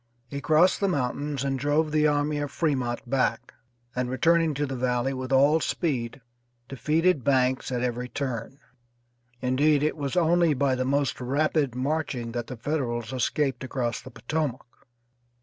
He crossed the mountains and drove the army of Fremont back, and returning to the Valley with all speed defeated Banks at every turn; indeed, it was only by the most rapid marching that the Federals escaped across the Potomac.